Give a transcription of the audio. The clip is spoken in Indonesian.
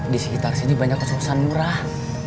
di sekitar sini banyak kesuksesan murah